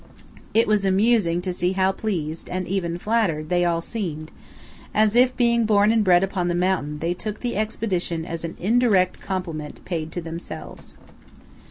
It was amusing to see how pleased, and even flattered, they all seemed; as if, being born and bred upon the mountain, they took the expedition as an indirect compliment paid to themselves.